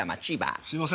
すいません。